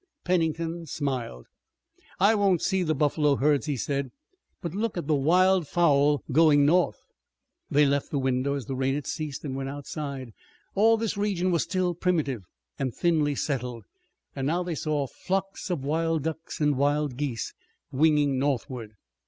Pennington smiled. "I won't see the buffalo herds," he said, "but look at the wild fowl going north." They left the window as the rain had ceased, and went outside. All this region was still primitive and thinly settled, and now they saw flocks of wild ducks and wild geese winging northward.